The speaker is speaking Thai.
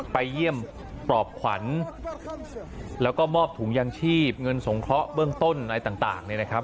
ไปเยี่ยมปลอบขวัญแล้วก็มอบถุงยางชีพเงินสงเคราะห์เบื้องต้นอะไรต่างเนี่ยนะครับ